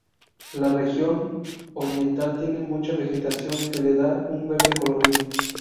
La región oriental tiene mucha vegetación, que le da un verde colorido.